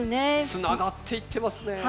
つながっていってますね。